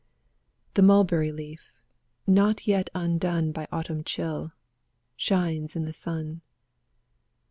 The mulberry leaf, not yet undone By autumn chill, shines in the sun.